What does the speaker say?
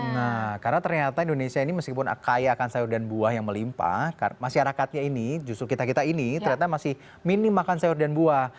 nah karena ternyata indonesia ini meskipun kaya akan sayur dan buah yang melimpah masyarakatnya ini justru kita kita ini ternyata masih minim makan sayur dan buah